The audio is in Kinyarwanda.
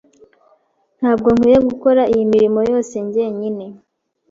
Ntabwo nkwiye gukora iyi mirimo yose njyenyine.